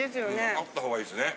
あった方がいいですね。